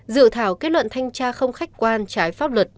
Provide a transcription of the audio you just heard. dự thảo kết luận thanh tra không khách quan trái pháp luật